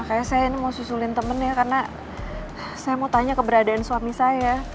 makanya saya ini mau susulin temennya karena saya mau tanya keberadaan suami saya